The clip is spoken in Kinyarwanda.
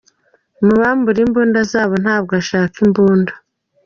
"Mubambure imbunda zabo, ntabwo ashaka imbunda.